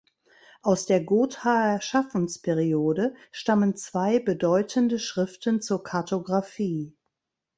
Aus der Gothaer Schaffensperiode stammen zwei bedeutende Schriften zur Kartographie.